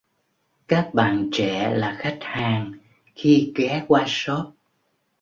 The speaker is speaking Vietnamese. Các bạn trẻ là khách hàng khi ghé qua shop